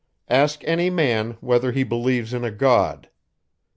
Ask any man, whether he believes in a God?